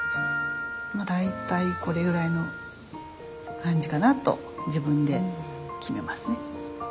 まあ大体これぐらいの感じかなと自分で決めますね。